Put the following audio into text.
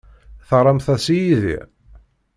Teɣramt-as i Yidir?